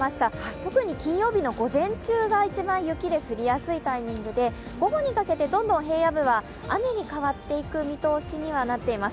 特に金曜日の午前中が雪が降りやすいタイミングで午後にかけて、どんどん平野部は雨に変わっていく見通しにはなっています。